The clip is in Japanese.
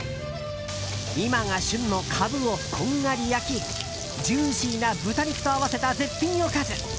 今が旬のカブをこんがり焼きジューシーな豚肉と合わせた絶品おかず。